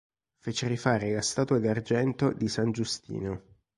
Fece rifare la statua d'argento di san Giustino.